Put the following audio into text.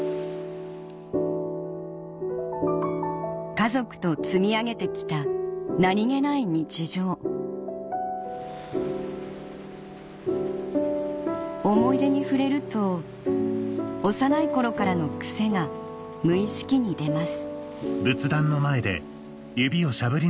家族と積み上げてきた何げない日常思い出に触れると幼い頃からの癖が無意識に出ます